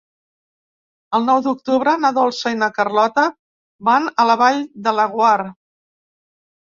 El nou d'octubre na Dolça i na Carlota van a la Vall de Laguar.